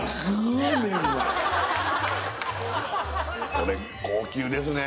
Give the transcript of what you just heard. これ高級ですね